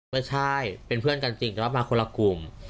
ไม่ใช่เป็นเพื่อนกันจริงแต่ว่ามาคนละกลุ่ม